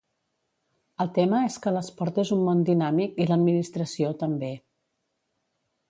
El tema és que l'esport és un món dinàmic i l'administració, també.